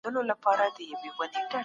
سیاستپوهنه یو پیاوړی ډګر دی.